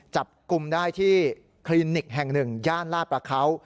จับกลุ่มได้ที่คลินิกแห่งหนึ่งย่านลาดประเขา